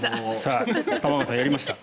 玉川さん、やりました。